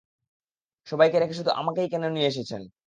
সবাইকে রেখে শুধু আমাকেই কেন নিয়ে এসেছেন?